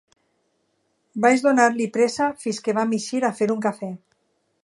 Vaig donar-li pressa fins que vam eixir a fer un café.